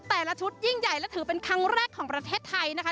แต่ละชุดยิ่งใหญ่และถือเป็นครั้งแรกของประเทศไทยนะคะ